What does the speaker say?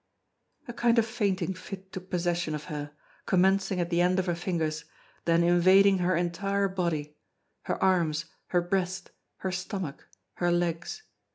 A kind of fainting fit took possession of her, commencing at the end of her fingers, then invading her entire body her arms, her breast, her stomach, her legs.